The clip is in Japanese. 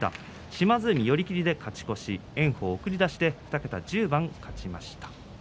島津海も寄り切りで勝ち越し炎鵬は２桁１０番、勝ちました。